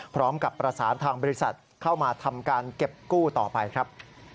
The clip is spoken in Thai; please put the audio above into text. พร้อมกับประสานทางบริษัทเข้ามาทำการเก็บกู้ต่อไปครับ